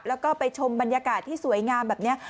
แล้วก็ไปชมบรรยากาศที่สวยงามแบบนี้